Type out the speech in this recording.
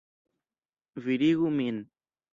Virigu min!